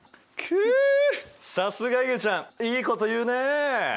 くうさすがいげちゃん！いいこと言うねえ。